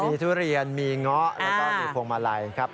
มีทุเรียนมีเงาะแล้วก็มีพวงมาลัยครับ